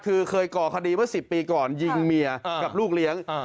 คือเคยก่อคดีเมื่อ๑๐ปีก่อนยิงเมียกับลูกเลี้ยง